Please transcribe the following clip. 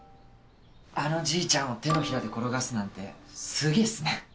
あのじいちゃんを手のひらで転がすなんてすげえっすね。